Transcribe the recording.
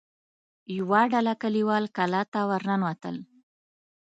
يوه ډله کليوال کلا ته ور ننوتل.